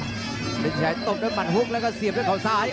สินชัยตบด้วยหมัดฮุกแล้วก็เสียบด้วยเขาซ้าย